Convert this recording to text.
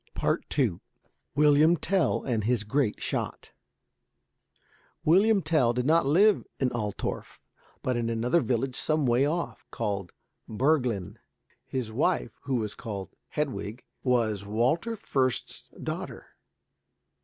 II WILLIAM TELL AND HIS GREAT SHOT William Tell did not live in Altorf, but in another village some way off, called Bürglen. His wife, who was called Hedwig, was Walter Fürst's daughter.